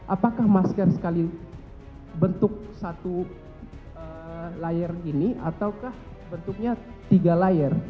apakah masker sekali bentuk satu layar ini ataukah bentuknya tiga layar